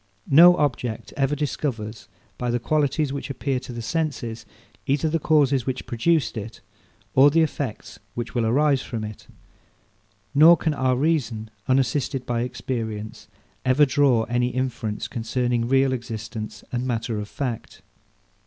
No object ever discovers, by the qualities which appear to the senses, either the causes which produced it, or the effects which will arise from it; nor can our reason, unassisted by experience, ever draw any inference concerning real existence and matter of fact.